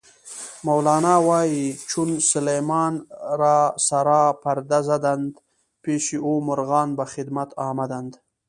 مولانا وایي: "چون سلیمان را سرا پرده زدند، پیشِ او مرغان به خدمت آمدند".